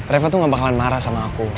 reva tuh gak bakalan marah sama aku